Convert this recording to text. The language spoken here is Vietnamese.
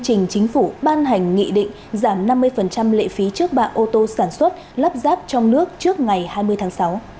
trình chính phủ ban hành nghị định giảm năm mươi lệ phí trước bạ ô tô sản xuất lắp ráp trong nước trước ngày hai mươi tháng sáu